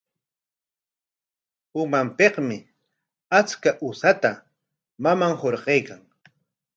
Umanpikmi achka usata maman hurquykan.